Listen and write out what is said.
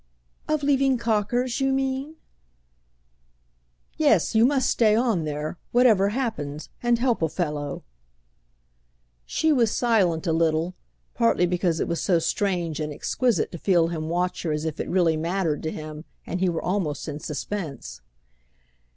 "Of leaving Cocker's, you mean?" "Yes, you must stay on there, whatever happens, and help a fellow." She was silent a little, partly because it was so strange and exquisite to feel him watch her as if it really mattered to him and he were almost in suspense.